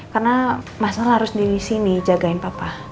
karena masalah harus di sini jagain papa